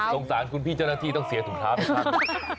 สงสารคุณพี่เจ้าหน้าที่ต้องเสียถุงเท้าไปชัก